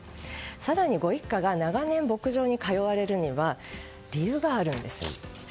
更に、ご一家が長年牧場に通われるには理由があるんです。